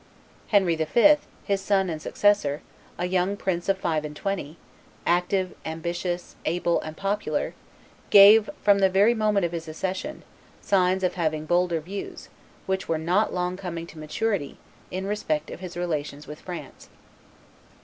Henry V., his son and successor, a young prince of five and twenty, active, ambitious, able, and popular, gave, from the very moment of his accession, signs of having bolder views, which were not long coming to maturity, in respect of his relations with France.